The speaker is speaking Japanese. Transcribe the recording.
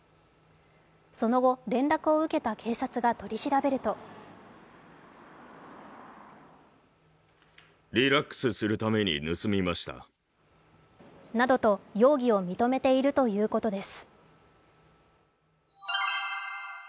その後、連絡を受けた警察が取り調べるとなどと容疑を認めているということです。